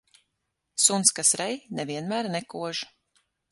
Suns, kas rej, ne vienmēr nekož.